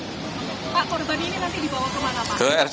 pak korban ini nanti dibawa kemana pak